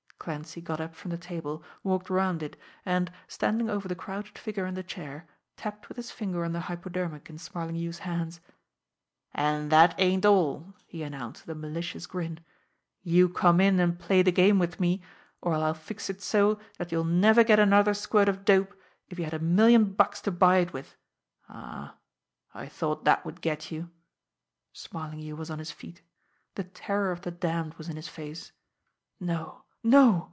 Clancy got up from the table, walked around it, and, standing over the crouched figure in the chair, tapped with his finger on the hypodermic in Smarlinghue's hands. "And that ain't all," he announced with a malicious grin. "You come in and play the game with me, or I'll fix it so that you'll never get another squirt of dope if you had a million bucks to buy it with ah, I thought that would get you!" Smarlinghue was on his feet. The terror of the damned was in his face. "No! No!